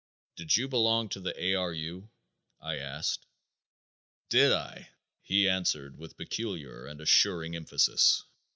"Did you belong to the A. R. U.?" I asked. "Did I?" he answered with peculiar and assuring emphasis.